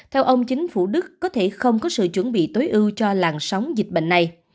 theo ông chính phủ đức có thể không có sự chuẩn bị tối ưu cho làn sóng dịch bệnh này